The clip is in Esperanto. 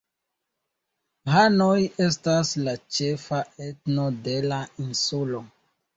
Hanoj estas la ĉefa etno de la insulo.